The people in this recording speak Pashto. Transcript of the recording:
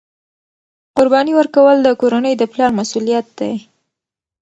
قرباني ورکول د کورنۍ د پلار مسؤلیت دی.